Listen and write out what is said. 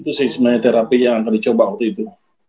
itu sih sebenarnya terapi yang akan dicoba waktu itu